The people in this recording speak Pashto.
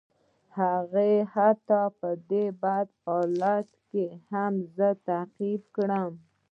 هغه حتی په دې بد حالت کې هم زه تعقیب کړم